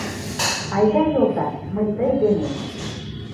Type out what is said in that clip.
Айда, йолташ, мый тый дене